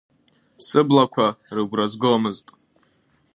Сыблақәа рыгәра згомызт.